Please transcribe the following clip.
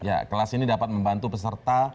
ya kelas ini dapat membantu peserta